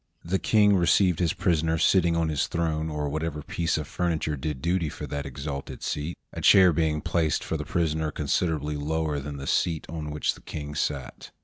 The King received his prisoner sitting on his throne, or whatever piece of furniture did duty for that exalted seat, a chair being placed for the prisoner considerably lower than the seat on which the King sat.